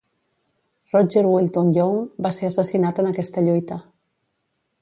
Rodger Wilton Young va ser assassinat en aquesta lluita.